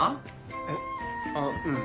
えっ？あうん。